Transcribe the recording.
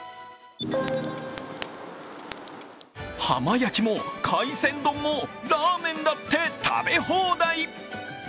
浜焼きも海鮮丼もラーメンだって食べ放題。